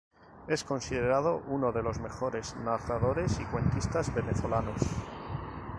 Es considerado uno de los mejores narradores y cuentistas venezolanos.